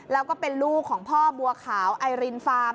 แล้วก็เป็นลูกของพ่อบัวขาวไอรินฟาร์ม